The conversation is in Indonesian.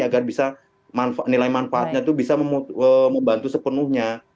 agar bisa nilai manfaatnya itu bisa membantu sepenuhnya